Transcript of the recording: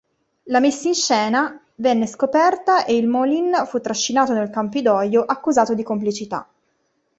La messinscena venne scoperta e il Molin fu trascinato nel Campidoglio accusato di complicità.